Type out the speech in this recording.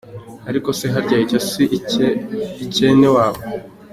Ariko se harya icyo si icyene wabo?